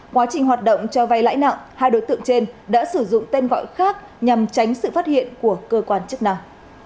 quá trình hoạt động cho vay lãi nặng hai đối tượng trên đã sử dụng tên gọi khác nhằm tránh sự phát hiện của cơ quan chức năng